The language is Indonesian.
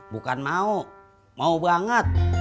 bukan mau mau banget